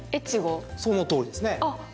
そのとおりですね。